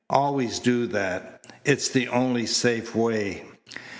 Always do that. It's the only safe way."